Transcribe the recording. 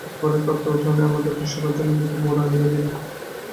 ঘরের কর্তা উঠানে আমাদের বসিবার জন্য দুটি মোড়া আনিয়া দিলেন।